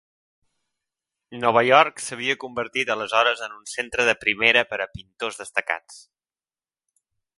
Nova York s'havia convertit aleshores en un centre de primera per a pintors destacats.